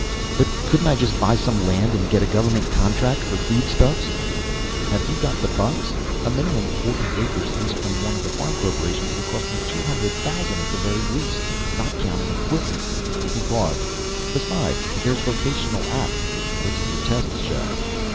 "But couldn't I just buy some land, get a government contract for foodstuffs?" "Have you got the bucks? A minimum forty acres leased from one of the farm corporations will cost you two hundred thousand at the very least, not counting equipment." He paused. "Besides, there's Vocational Apt. What did your tests show?"